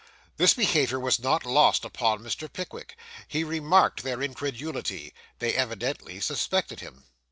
This behaviour was not lost upon Mr. Pickwick. He remarked their incredulity. They evidently suspected him.